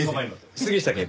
杉下警部。